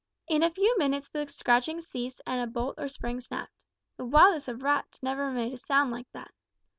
In a few minutes the scratching ceased and a bolt or spring snapped. The wildest of rats never made a sound like that!